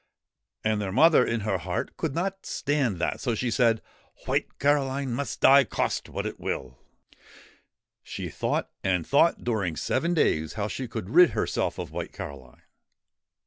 And their mother, in her heart, could not stand that, so she said :' White Caroline must die, cost what it will/' She thought and thought during seven days how she could rid herself of White Caroline.